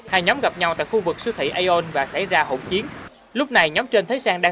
hai nhóm gặp nhau tại khu vực siêu thị aon và xảy ra hỗn chiến lúc này nhóm trên thấy sang đang